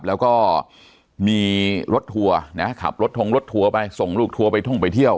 แล้วก็มีรถทัวร์นะขับรถทงรถทัวร์ไปส่งลูกทัวร์ไปท่องไปเที่ยว